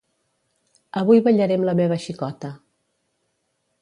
Avui ballaré amb la meva xicota.